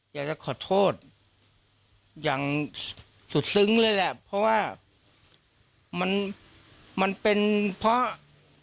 อยากจะขอโทษอย่างสุดซึ้งเลยแหละเพราะว่ามันมันเป็นเพราะ